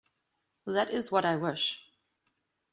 That is what I wish.